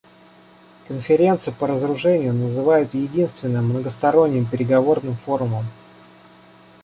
Конференцию по разоружению называют единственным многосторонним переговорным форумом.